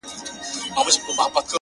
په سپينه زنه كي خال ووهي ويده سمه زه،